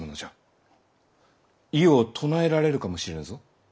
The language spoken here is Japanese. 異を唱えられるかもしれぬぞ。